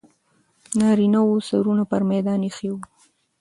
نارینه و سرونه پر میدان ایښي وو.